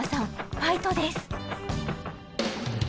ファイトです